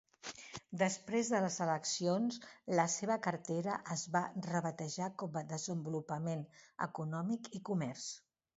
Després de les eleccions, la seva cartera es va rebatejar com "Desenvolupament econòmic i Comerç".